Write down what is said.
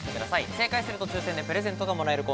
正解すると抽選でプレゼントがもらえます。